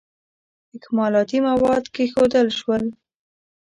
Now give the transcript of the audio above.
اکمالاتي مواد کښېښودل شول.